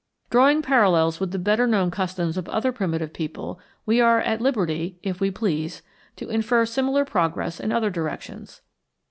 Drawing parallels with the better known customs of other primitive people, we are at liberty, if we please, to infer similar progress in other directions.